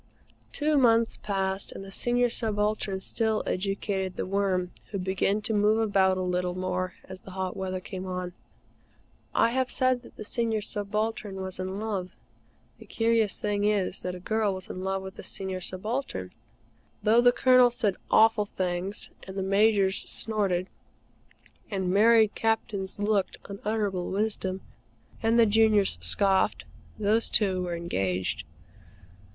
Two months passed, and the Senior Subaltern still educated The Worm, who began to move about a little more as the hot weather came on. I have said that the Senior Subaltern was in love. The curious thing is that a girl was in love with the Senior Subaltern. Though the Colonel said awful things, and the Majors snorted, and married Captains looked unutterable wisdom, and the juniors scoffed, those two were engaged.